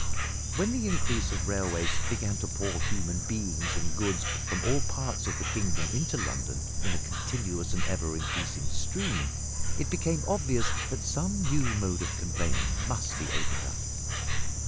When the increase of railways began to pour human beings and goods from all parts of the kingdom into London in a continuous and ever increasing stream, it became obvious that some new mode of conveyance must be opened up.